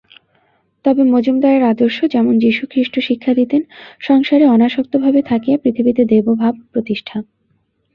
তবে মজুমদারের আদর্শ, যেমন যীশুখ্রীষ্ট শিক্ষা দিতেন, সংসারে অনাসক্তভাবে থাকিয়া পৃথিবীতে দেবভাব-প্রতিষ্ঠা।